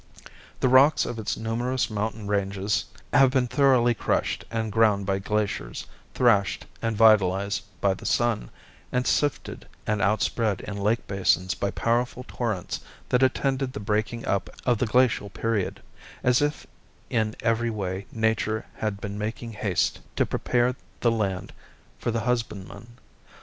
The rocks of its numerous mountain ranges have been thoroughly crushed and ground by glaciers, thrashed and vitalized by the sun, and sifted and outspread in lake basins by powerful torrents that attended the breaking up of the glacial period, as if in every way Nature had been making haste to prepare the land for the husbandman.